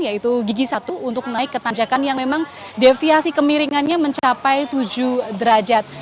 yaitu gigi satu untuk naik ke tanjakan yang memang deviasi kemiringannya mencapai tujuh derajat